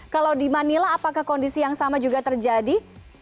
kalau di manila apakah kondisi yang sama juga terjadi